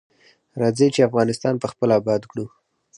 راځی چی افغانستان پخپله اباد کړو.